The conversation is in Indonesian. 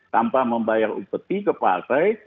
tanpa membayar upeti ke partai